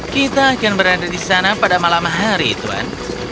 kita akan berada di sana pada malam hari tuan